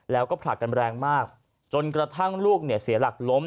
แล้วก็ผลักกันแรงมากจนกระทั่งลูกเนี่ยเสียหลักล้ม